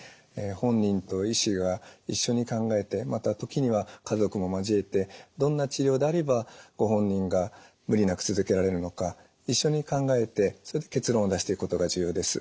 本人と医師が一緒に考えてまたときには家族も交えてどんな治療であればご本人が無理なく続けられるのか一緒に考えてそれで結論を出していくことが重要です。